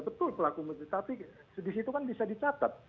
betul pelaku tapi di situ kan bisa dicatat